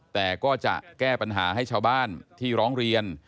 แต่ก็จะแก้ปัญหาให้ชาวบ้านที่ร้องเรียน